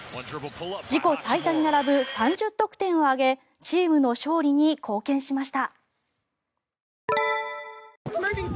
自己最多に並ぶ３０得点を挙げチームの勝利に貢献しました。